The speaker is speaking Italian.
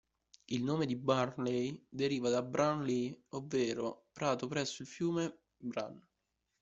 Il nome di Burnley deriva da "Brun Lea", ovvero "prato presso il fiume Brun".